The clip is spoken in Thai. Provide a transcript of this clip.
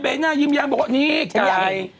ใบหน้ายิ้มยังบอกว่านี่ไก่